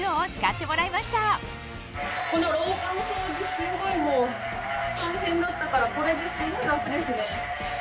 すごいもう大変だったからこれですごい楽ですね。